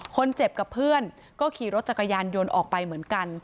คนเจ็บกับเพื่อนก็ขี่รถจักรยานยนต์ออกไปเหมือนกัน